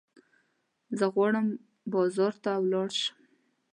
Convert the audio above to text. زه غواړم بازار ته ولاړ شم.